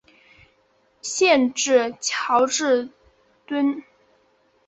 县治乔治敦。